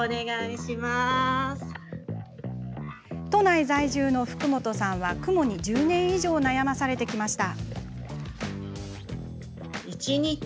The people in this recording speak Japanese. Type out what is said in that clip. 都内在住の福本さんはクモに１０年以上悩まされてきました。